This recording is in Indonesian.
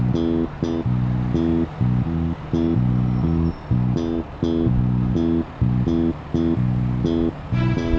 tdai detail dia